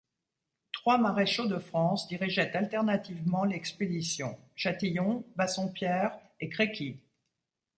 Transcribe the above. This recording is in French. Trois maréchaux de France dirigeaient alternativement l'expédition: Chatillon, Bassompierre et Créqui.